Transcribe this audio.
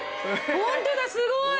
ホントだすごい！